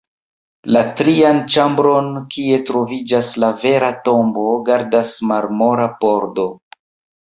La trian ĉambron, kie troviĝas la vera tombo, gardas marmora pordo.